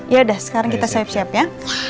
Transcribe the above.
yaudah sekarang kita siap siap ya